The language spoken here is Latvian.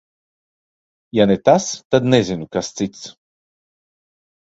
Ja ne tas, tad nezinu, kas cits.